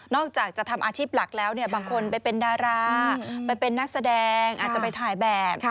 อกจากจะทำอาชีพหลักแล้วเนี่ยบางคนไปเป็นดาราไปเป็นนักแสดงอาจจะไปถ่ายแบบ